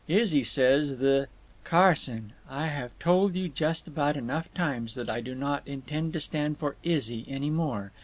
Izzy says th—" "Carson, I have told you just about enough times that I do not intend to stand for 'Izzy' any more!